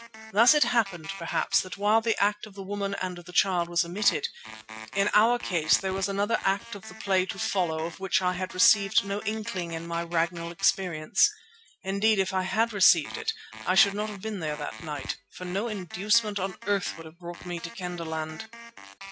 Thus it happened, perhaps, that while the act of the woman and the child was omitted, in our case there was another act of the play to follow of which I had received no inkling in my Ragnall experience. Indeed, if I had received it, I should not have been there that night, for no inducement on earth would have brought me to Kendahland.